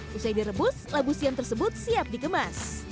setelah direbus labu siam tersebut siap dikemas